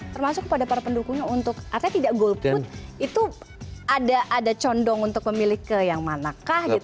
termasuk kepada para pendukungnya untuk artinya tidak golput itu ada condong untuk memilih ke yang manakah gitu